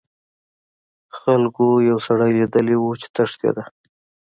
خلکو یو سړی لیدلی و چې تښتیده.